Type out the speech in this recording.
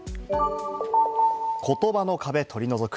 言葉の壁を取り除く。